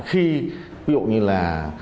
khi ví dụ như là